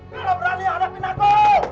kau tak berani hadapin aku